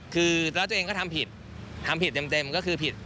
คือแล้วตัวเองก็ทำผิดทำผิดเต็มก็คือผิด